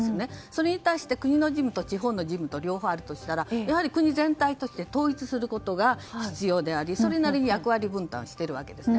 それに対して、国の事務と地方の事務と両方あるとしたらやはり国全体として統一することが必要でありそれなりに役割分担しているわけです。